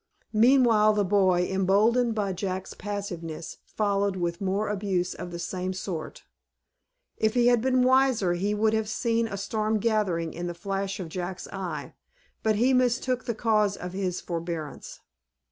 Meanwhile the boy, emboldened by Jack's passiveness, followed, with more abuse of the same sort. If he had been wiser, he would have seen a storm gathering in the flash of Jack's eye; but he mistook the cause of his forbearance.